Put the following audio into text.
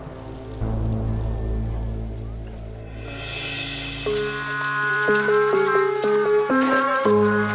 tidak ada apa apa